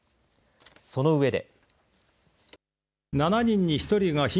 その上で。